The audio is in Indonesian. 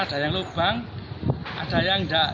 ada yang lubang ada yang enggak